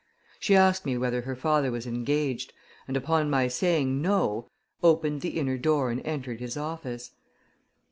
She asked me whether her father was engaged, and upon my saying no, opened the inner door and entered his office.